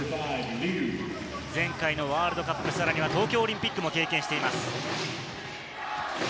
前回のワールドカップ、さらには東京オリンピックも経験しています。